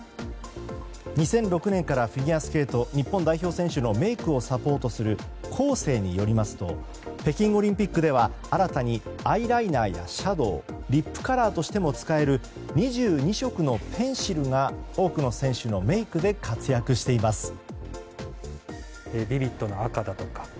２００６年からフィギュアスケート日本代表選手のメイクをサポートするコーセーによりますと北京オリンピックでは新たにアイライナーやシャドウリップカラーとしても使える２２色のペンシルが多くの選手のメイクで活躍しています。